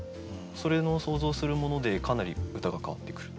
それの想像するものでかなり歌が変わってくる。